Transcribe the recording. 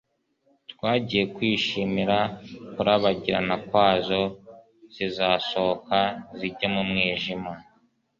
twagiye twishimira kurabagirana kwazo zizasohoka zijye mu mwijima